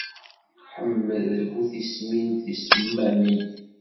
Ḥmed d bu tismin tisemmamin.